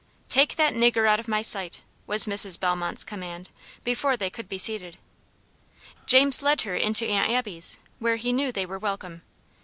"Take that nigger out of my sight," was Mrs. Bellmont's command, before they could be seated. James led her into Aunt Abby's, where he knew they were welcome.